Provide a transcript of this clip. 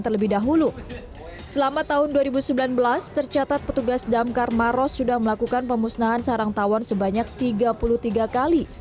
selama tahun dua ribu sembilan belas tercatat petugas damkar maros sudah melakukan pemusnahan sarang tawon sebanyak tiga puluh tiga kali